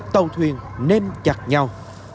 tàu thuyền nêm chặt nhau